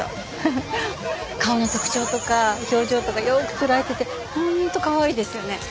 フフッ顔の特徴とか表情とかよーく捉えてて本当かわいいですよね。